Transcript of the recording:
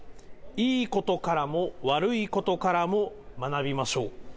いいことからも悪いことからも学びましょう。